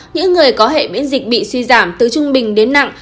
những người có hệ miễn dịch bị suy giảm từ trung bình đến nặng